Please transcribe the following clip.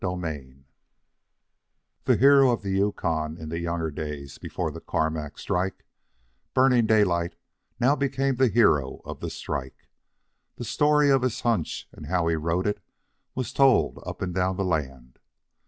CHAPTER XI The hero of the Yukon in the younger days before the Carmack strike, Burning Daylight now became the hero of the strike. The story of his hunch and how he rode it was told up and down the land.